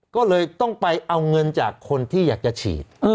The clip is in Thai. ก็เลยต้องไปเอาเงินจากคนที่อยากจะฉีด